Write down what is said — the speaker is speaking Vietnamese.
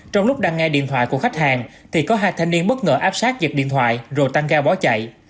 trong lúc đăng nghe điện thoại của khách hàng thì có hai thanh niên bất ngờ áp sát giật điện thoại rồi tăng ga bỏ chạy